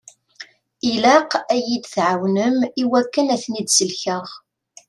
Ilaq ad yi-tɛawnem i wakken ad ten-id-sellkeɣ.